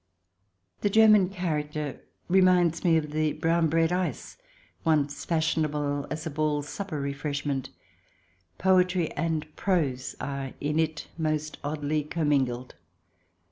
The German character reminds me of the brown bread ice, once fashionable as a ball supper refresh ment. Poetry and prose are in it most oddly commingled.